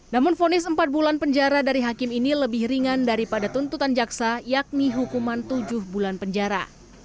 namun fonis empat bulan penjara dari hakim ini lebih ringan daripada tuntutan jaksa yakni hukuman tujuh bulan penjara